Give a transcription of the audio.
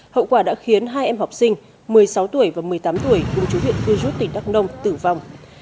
hậu quả đã khiến hai em học sinh một mươi sáu tuổi và một mươi tám tuổi cùng chú huyện cư rút tỉnh đắk nông tử vong